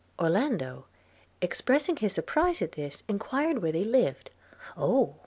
Orlando, expressing his surprise at this, enquired where they lived – 'Oh!'